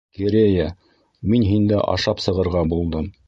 Керея, мин һиндә ашап сығырға булдым.